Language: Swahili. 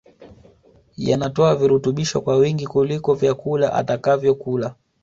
yanatoa virutubisho kwa wingi kuliko vyakula atakavyokula